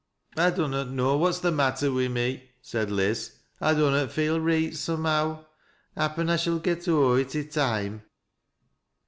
" I dunnot Imow what's the matter wi' me," said Liz, "I dunnot feel reet, somehow. Happen I shall get o'er it i' toime."